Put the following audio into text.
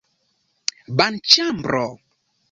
banĉambro